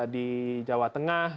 di jawa tengah